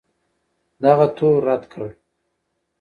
دغه تور رد کړ